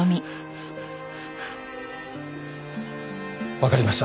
わかりました。